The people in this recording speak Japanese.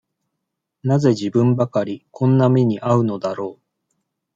なぜ自分ばかりこんな目にあうのだろう。